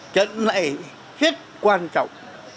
trận này rất quan trọng